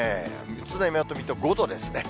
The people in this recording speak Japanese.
宇都宮と水戸５度ですね。